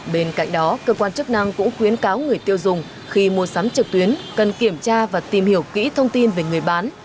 bên cạnh đó cơ quan chức năng cũng khuyến cáo người tiêu dùng khi mua sắm trực tuyến cần kiểm tra và tìm hiểu kỹ thông tin về người bán